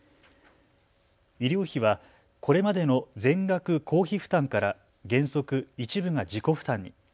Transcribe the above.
医療費はこれまでの全額公費負担から原則、一部が自己負担に。